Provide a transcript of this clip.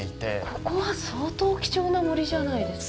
ここは相当貴重な森じゃないですか？